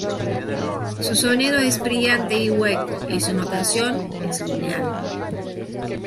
Su sonido es brillante y hueco, y su notación es lineal.